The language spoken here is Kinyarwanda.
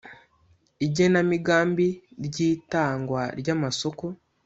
Igenamigambi ry itangwa ry amasoko